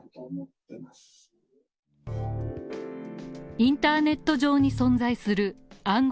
インターネット上に存在する暗号